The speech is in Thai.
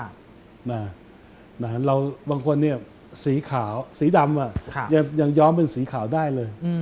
บางคนเนี่ยสีขาวสีดำยังย้อมเป็นสีขาวได้เลย